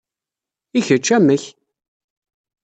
I kečč, amek?